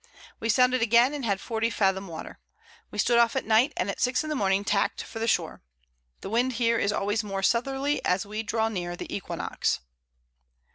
We sounded again, and had 40 Fathom Water. We stood off at Night, and at 6 in the Morning tack'd for the Shore. The Wind is here always more Southerly, as we draw near the Equinox.